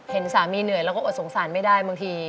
เห็นสามีเหนื่อยแล้วก็อดสงสารไม่ได้บางที